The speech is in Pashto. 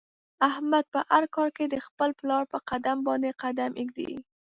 احمد په هر کار کې د خپل پلار په قدم باندې قدم ږدي.